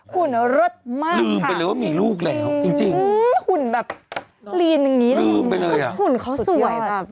หุ่นเลิศมากค่ะจริงหุ่นแบบลีนแบบนี้หุ่นเขาสวยแบบ